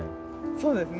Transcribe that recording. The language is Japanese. そうですね。